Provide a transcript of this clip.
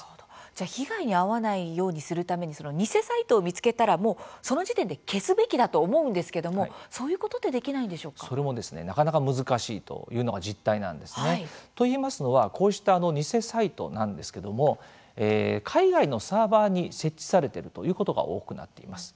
じゃあ、被害に遭わないようにするために偽サイトを見つけたらその時点で消すべきだと思うんですけどもそういうことってそれも、なかなか難しいというのが実態なんですね。といいますのは、こうした偽サイトなんですけども海外のサーバーに設置されているということが多くなっています。